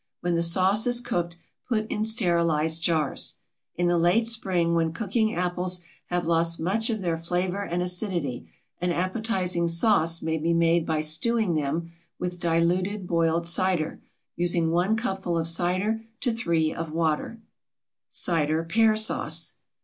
When the sauce is cooked, put in sterilized jars. In the late spring, when cooking apples have lost much of their flavor and acidity, an appetizing sauce may be made by stewing them with diluted boiled cider, using 1 cupful of cider to 3 of water. CIDER PEAR SAUCE.